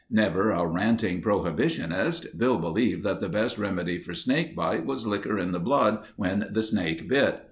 Never a ranting prohibitionist, Bill believed that the best remedy for snake bite was likker in the blood when the snake bit.